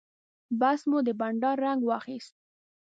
بحث مو د بانډار رنګ واخیست.